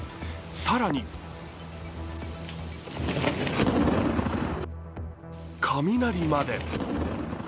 更に雷まで。